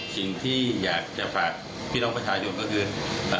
สิ่งที่อยากจะฝากพิทรรมปฏิบัติชายนวรรดิการการเรา